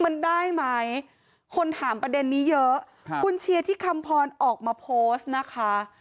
มันได้ไหมคนถามประเด็นนี้เยอะครับคุณเชียร์ที่คำพรออกมาโพสต์นะคะ